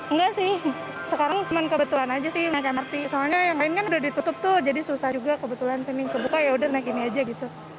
enggak sih sekarang cuma kebetulan aja sih naik mrt soalnya yang lain kan udah ditutup tuh jadi susah juga kebetulan senin kebuka yaudah naik ini aja gitu